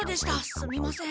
すみません。